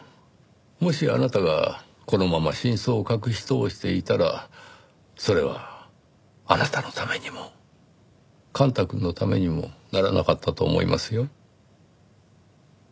もしあなたがこのまま真相を隠し通していたらそれはあなたのためにも幹太くんのためにもならなかったと思いますよ。